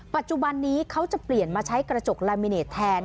ปัจจุบันนี้เขาจะเปลี่ยนมาใช้กระจกลายมิเนตแทน